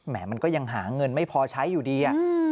มันก็ยังหาเงินไม่พอใช้อยู่ดี